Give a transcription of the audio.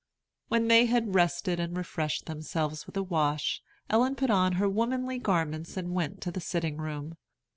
When they had rested and refreshed themselves with a wash, Ellen put on her womanly garments and went to the sitting room.